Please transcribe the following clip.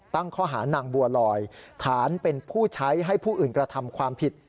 ตั้งข้อหานางบัวลอยฐานเป็นผู้ใช้ให้ผู้อื่นกระทำความผิด